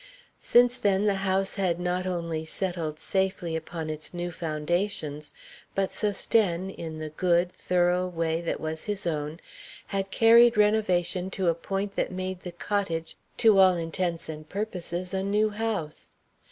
Since then the house had not only settled safely upon its new foundations, but Sosthène, in the good, thorough way that was his own, had carried renovation to a point that made the cottage to all intents and purposes a new house.